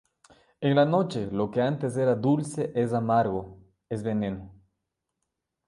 En la noche lo que antes era dulce es amargo, es veneno.